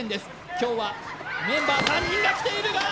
今日はメンバー３人が来ているがー！